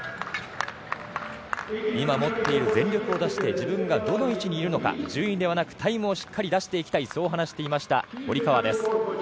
今、持っている全力を出し切って今どの位置にいるのか順位ではなくタイムを出していきたいとそう話していました、堀川です。